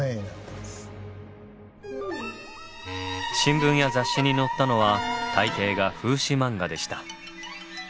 新聞や雑誌に載ったのは大抵が風刺マンガでした。